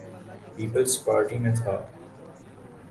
Peoples Party میں تھا۔